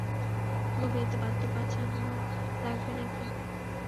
কোনো বিয়েতে বাদ্য বাজানো লাগবে নাকি?